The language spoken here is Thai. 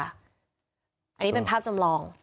อันนี้เป็นภาพจำลอง